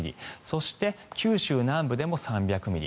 そして九州南部でも３００ミリ。